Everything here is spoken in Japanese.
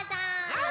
はい！